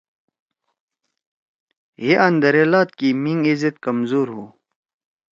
ہیے اندرے لأت کی مینگ ایذد کمزور ھو۔